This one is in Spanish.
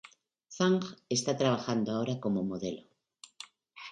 Zhang está trabajando ahora como modelo.